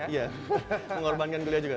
iya mengorbankan kuliah juga